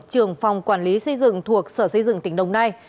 trưởng phòng quản lý xây dựng thuộc sở xây dựng tỉnh đồng nai